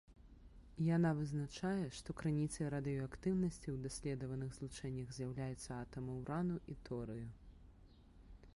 Яна вызначае, што крыніцай радыеактыўнасці ў даследаваных злучэннях з'яўляюцца атамы ўрану і торыю.